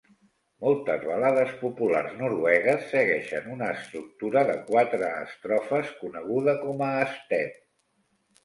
Moltes balades populars noruegues segueixen una estructura de quatre estrofes coneguda com a "stev".